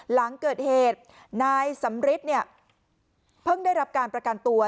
หลังเกิดเหตุนายสำฤ็จเพิ่งได้รับการประการตัว